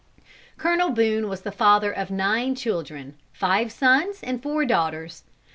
Colonel Boone was the father of nine children, five sons and four daughters.